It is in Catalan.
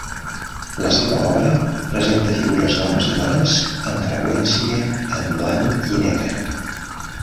La seva obra presenta figures d"homes i dones, amb freqüència en blanc i negre.